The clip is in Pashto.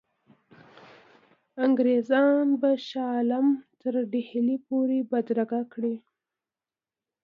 انګرېزان به شاه عالم تر ډهلي پوري بدرګه کړي.